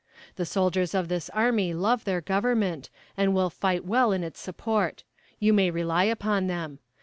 The soldiers of this army love their Government, and will fight well in its support. You may rely upon them.